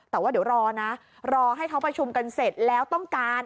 แต่ว่าเดี๋ยวรอนะรอให้เขาประชุมกันเสร็จแล้วต้องการ